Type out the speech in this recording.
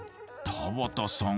田畑さん